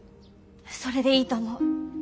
それでいいと思う。